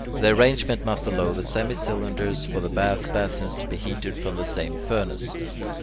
The arrangement must allow the semi cylinders for the bath basins to be heated from the same furnace.